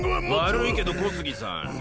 悪いけど小杉さん